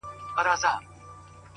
• خود به يې اغزی پرهر؛ پرهر جوړ کړي؛